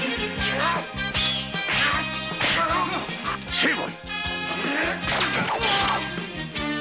成敗！